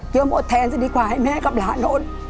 ยอมอดแทนจะดีกว่าให้แม่กับหลานลด